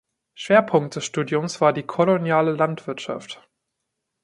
Schwerpunkt des Studiums war die koloniale Landwirtschaft.